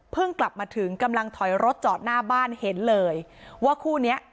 กลับมาถึงกำลังถอยรถจอดหน้าบ้านเห็นเลยว่าคู่เนี้ย